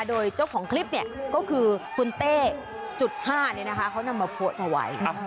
โดยเจ้าของคลิปเนี่ยก็คือคุณเต้๕เนี่ยนะคะเขานำมาโพสไว้